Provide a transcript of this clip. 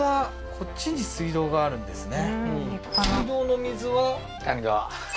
こっちに水道があるんですね